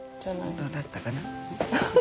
どうだったかな？